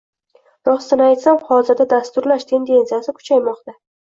Rostini aytsam, hozirda dasturlash tendensiyasi kechmoqda.